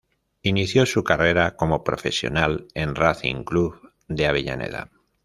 Inició su carrera como profesional en Racing Club de Avellaneda.